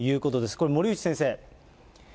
これ、森内先生。